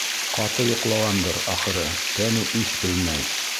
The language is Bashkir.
Ҡаты йоҡлағандыр, ахыры, тәне иҫ белмәй.